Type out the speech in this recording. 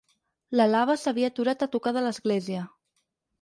La lava s’havia aturat a tocar de l’església.